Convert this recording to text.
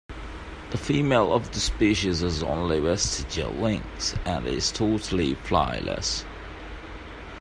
The female of this species has only vestigial wings and is totally flightless.